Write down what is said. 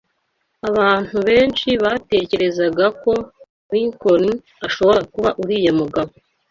Abantu benshi batekerezaga ko Lincoln ashobora kuba uriya mugabo.